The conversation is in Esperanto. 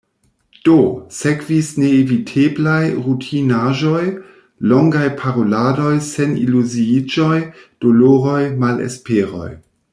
Do, sekvis neeviteblaj rutinaĵoj – longaj paroladoj, seniluziiĝoj, doloroj, malesperoj...